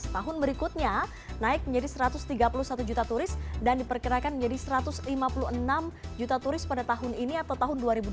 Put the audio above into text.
tahun berikutnya naik menjadi satu ratus tiga puluh satu juta turis dan diperkirakan menjadi satu ratus lima puluh enam juta turis pada tahun ini atau tahun dua ribu dua puluh